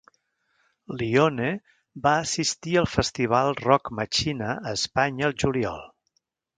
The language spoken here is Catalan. Lione va assistir al Festival Rock Machina a Espanya el juliol.